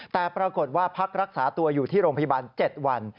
แต่ปรากฏว่าพักรักษาตัวอยู่ที่โรงพยาบาล๗วัน